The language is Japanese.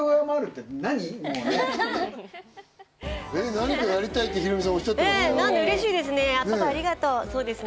何かやりたいってヒロミさん、おっしゃってましたよ。